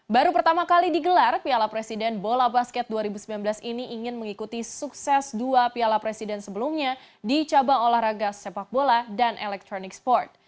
baru pertama kali digelar piala presiden bola basket dua ribu sembilan belas ini ingin mengikuti sukses dua piala presiden sebelumnya di cabang olahraga sepak bola dan elektronik sport